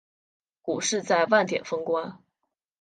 股市在万点封关